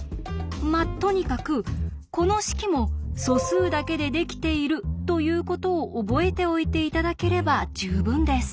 まあとにかくこの式も素数だけでできているということを覚えておいて頂ければ十分です。